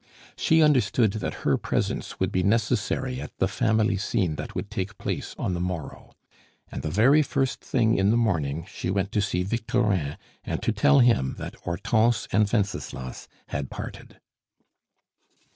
She understood that her presence would be necessary at the family scene that would take place on the morrow. And the very first thing in the morning she went to see Victorin and to tell him that Hortense and Wenceslas had parted.